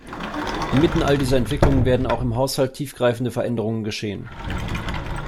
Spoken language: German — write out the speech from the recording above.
Inmitten all dieser Entwicklungen werden auch im Haushalt tiefgreifende Veränderungen geschehen.